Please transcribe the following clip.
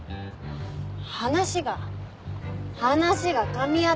話が話がかみ合ってない。